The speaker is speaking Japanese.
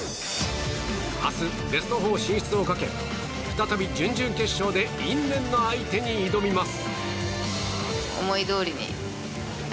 明日、ベスト４進出をかけ再び準々決勝で因縁の相手に挑みます。